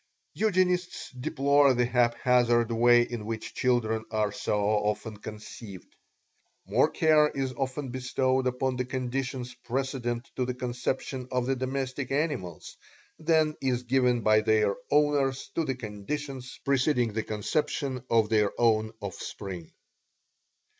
Eugenists deplore the haphazard way in which children are so often conceived. More care is often bestowed upon the conditions precedent to the conception of the domestic animals than is given by their owners to the conditions preceding the conception of their own offspring.